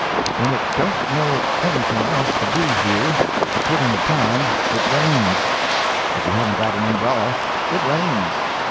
When it don't know anything else to do here, to put in the time, it rains. If you haven't got an umbrella, it rains.